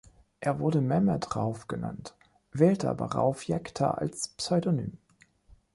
Er wurde Mehmed Rauf genannt, wählte aber Rauf Yekta als Pseudonym.